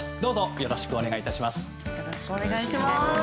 よろしくお願いします！